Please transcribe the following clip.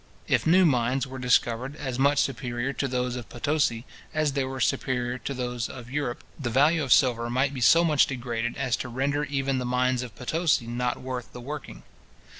If new mines were discovered, as much superior to those of Potosi, as they were superior to those of Europe, the value of silver might be so much degraded as to render even the mines of Potosi not worth the working.